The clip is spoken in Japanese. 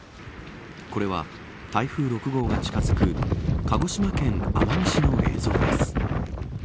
これは台風６号が近づく鹿児島県奄美市の映像です。